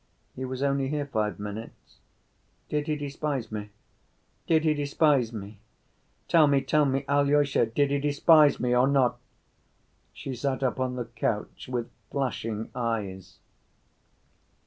He was only here five minutes. Did he despise me? Did he despise me? Tell me, tell me, Alyosha, did he despise me or not?" She sat up on the couch, with flashing eyes.